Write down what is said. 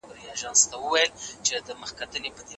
که عنصر وي نو اصل نه پټیږي.